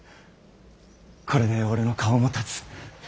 これで俺の顔も立つ。